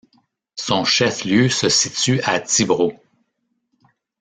Son chef-lieu se situe à Tibro.